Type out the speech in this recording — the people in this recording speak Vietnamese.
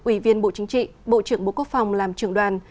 ủy viên bộ chính trị bộ trưởng bộ quốc phòng làm trưởng đoàn